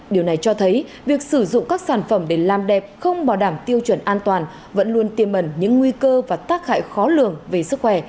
điều này cho thấy việc sử dụng các sản phẩm để làm đẹp không bảo đảm tiêu chuẩn an toàn vẫn luôn tiềm mẩn những nguy cơ và tác hại khó lường về sức khỏe